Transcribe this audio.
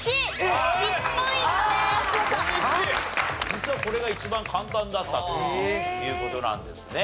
実はこれが一番簡単だったという事なんですね。